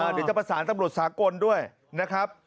เดี๋ยวจะประสานตำรวจสากลด้วยนะครับ